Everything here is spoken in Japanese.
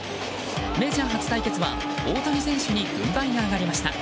メジャー初対決は大谷選手に軍配が上がりました。